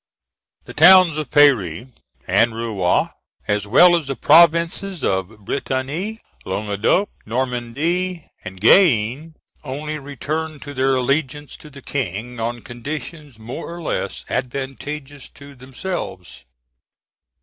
The towns of Paris and Rouen, as well as the provinces of Brittany, Languedoc, Normandy, and Guyenne, only returned to their allegiance to the King on conditions more or less advantageous to themselves.